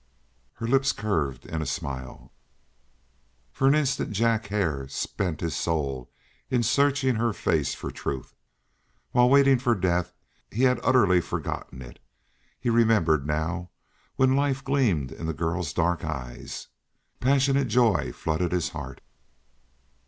Her lips curved in a smile. For an instant Jack Hare spent his soul in searching her face for truth. While waiting for death he had utterly forgotten it; he remembered now, when life gleamed in the girl's dark eyes. Passionate joy flooded his heart.